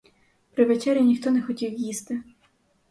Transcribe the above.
При вечері ніхто не хотів їсти.